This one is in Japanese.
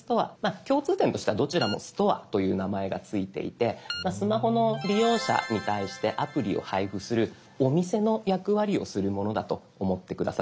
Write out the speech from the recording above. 共通点としてはどちらも「ストア」という名前が付いていてスマホの利用者に対してアプリを配布するお店の役割をするものだと思って下さい。